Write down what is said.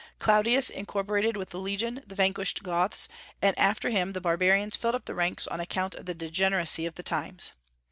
Claudius incorporated with the legion the vanquished Goths, and after him the barbarians filled up the ranks on account of the degeneracy of the times.